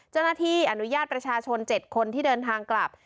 เจ้าหน้าที่อนุญาตประชาชน๗คนที่เดินทางกลับ